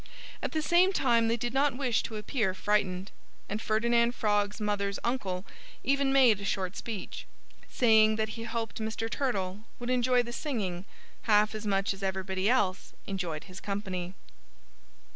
At the same time they did not wish to appear frightened. And Ferdinand Frog's mother's uncle even made a short speech, saying that he hoped Mr. Turtle would enjoy the singing half as much as everybody else enjoyed his company.